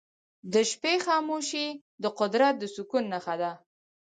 د شپې خاموشي د قدرت د سکون نښه ده.